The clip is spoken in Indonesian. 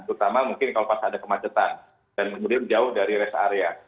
terutama mungkin kalau pas ada kemacetan dan kemudian jauh dari rest area